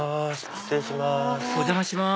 失礼します。